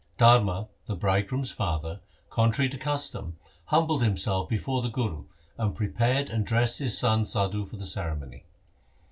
Dharma, the bridegroom's father, con trary to custom, humbled himself before the Guru, and prepared and dressed his son Sadhu for the ceremony.